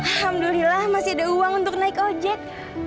alhamdulillah masih ada uang untuk naik ojek